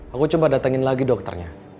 aku coba datengin lagi dokternya